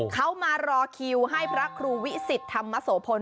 เขามารอคิวให้พระครูวิสิตธรรมโสพล